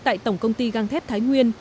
tại tổng công ty gang thép thái nguyên